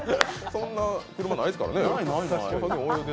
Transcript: そんな車ないですからね。